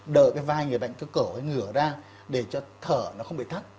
đợi cái vai người bệnh cái cổ ấy ngửa ra để cho thở nó không bị thắt